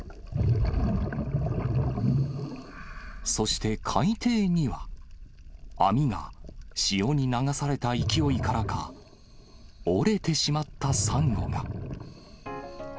そして海底には、網が潮に流された勢いからか、折れてしまったサンゴが。